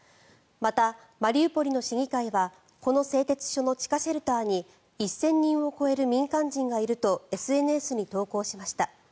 また、マリウポリの市議会はこの製鉄所の地下シェルターに１０００人を超える民間人がいるとＳＮＳに投稿しました。